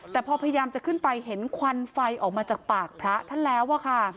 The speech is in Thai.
แต่พอพยายามจะขึ้นไปเห็นควันไฟออกมาจากปากพระท่านแล้วอะค่ะ